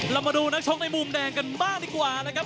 เรามาดูนักชกในมุมแดงกันบ้างดีกว่านะครับ